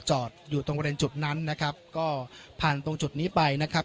จอดอยู่ตรงบริเวณจุดนั้นนะครับก็ผ่านตรงจุดนี้ไปนะครับ